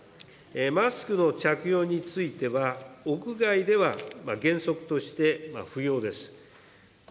マスクの着用については、屋外では原則として不要です。